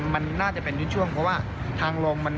มันน่าจะเป็นช่วงเพราะว่าทางลง